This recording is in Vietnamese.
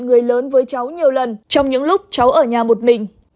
người lớn với cháu nhiều lần trong những lúc cháu ở nhà một mình